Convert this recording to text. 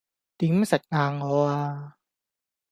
點食硬我呀?